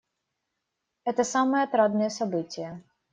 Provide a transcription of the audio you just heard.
Это самые отрадные события.